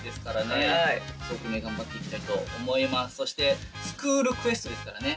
そしてスクールクエストですからね。